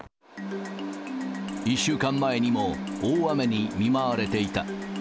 １週間前にも大雨に見舞われていた。